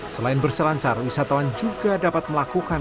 selain berselancar wisatawan juga dapat melakukan